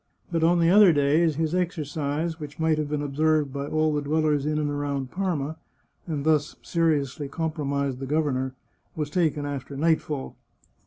But on the other days his exercise, which might have been observed by all the dwellers in and around Parma, and thus seriously compromised the governor, was taken after nightfall.